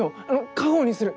家宝にする。